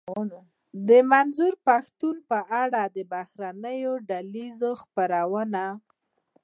د منظور پښتين په اړه د بهرنيو ډله ايزو خپرونو.